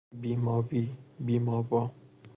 بی ماوی ـ بی ماوا